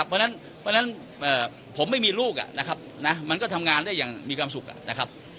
เพราะฉะนั้นผมไม่มีลูกนะครับมันก็ทำงานได้อย่างมีความสุขนะครับ